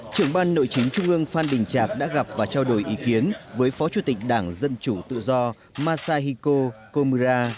trưởng ban nội chính trung ương phan đình trạc đã gặp và trao đổi ý kiến với phó chủ tịch đảng dân chủ tự do masahiko komura